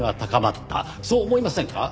そう思いませんか？